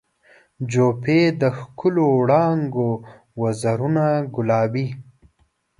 جوپې د ښکلو وړانګو وزرونه ګلابي